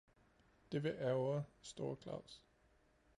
Det vil ærgre store Claus.